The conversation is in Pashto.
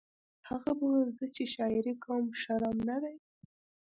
هغه به ویل زه چې شاعري کوم شرم نه دی